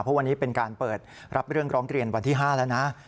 เพราะวันนี้เป็นการเปิดรับเรื่องร้องเรียนวันที่๕แล้วนะ